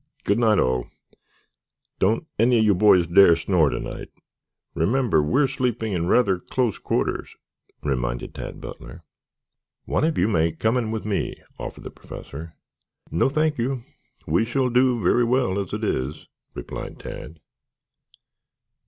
Good night, all. Don't any of you boys dare snore to night. Remember we are sleeping in rather close quarters," reminded Butler. "One of you may come in with me," offered the Professor. "No, thank you, we shall do very well as it is," replied Tad.